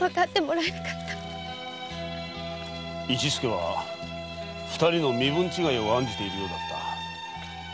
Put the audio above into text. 市助は二人の身分違いを案じているようだった。